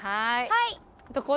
はい！